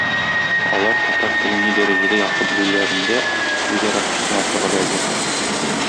Алар татар телен ни дәрәҗәдә яхшы белүләрендә үзара көч сынашырга да әзер.